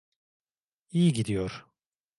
İyi gidiyor.